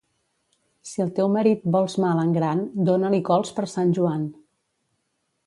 Si al teu marit vols mal en gran, dona-li cols per Sant Joan.